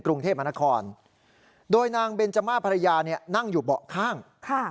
กรุงเทพมนครโดยนางเบนจมาภรรยาเนี่ยนั่งอยู่เบาะข้างค่ะ